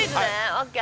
ＯＫ！